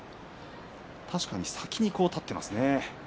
確かに先に立っていますね。